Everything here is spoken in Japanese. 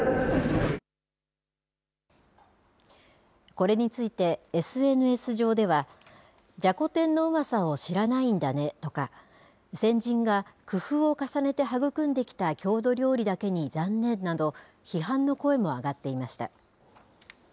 これについてＳＮＳ上では、じゃこ天のうまさを知らないんだねとか、先人が工夫を重ねて育んできた郷土料理だけに残念など、批判の声も上がっていました。